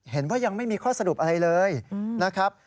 ยังไม่มีข้อสรุปอะไรเลยนะครับ